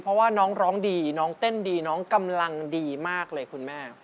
เพราะว่าน้องร้องดีน้องเต้นดีน้องกำลังดีมากเลยคุณแม่